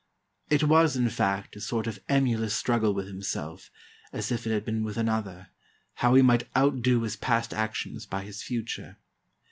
It was, in fact, a sort of emulous struggle with himself, as if it had been with another, how he might outdo his past actions by his future.